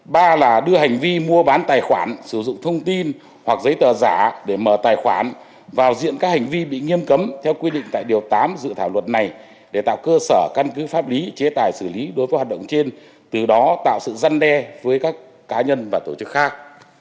ba là đưa hành vi mua bán tài khoản sử dụng thông tin hoặc giấy tờ giả để mở tài khoản vào diện các hành vi bị nghiêm cấm theo quy định tại điều tám dự thảo luật này để tạo cơ sở căn cứ pháp lý chế tài xử lý đối với hoạt động trên từ đó tạo sự răn đe với các cá nhân và tổ chức khác